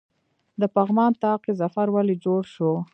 د پغمان طاق ظفر ولې جوړ شو؟